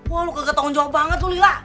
wah lu kaget tanggung jawab banget tuh lila